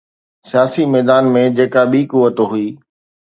سياسي ميدان ۾ جيڪا ٻي قوت هئي.